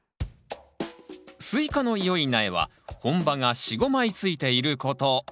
スイカの良い苗は本葉が４５枚ついていること。